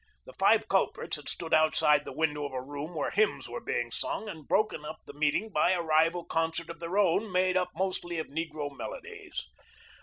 The five culprits had stood outside the window of a room where hymns were being sung and broken up the meeting by a rival concert of our own, made up mostly of negro mel odies.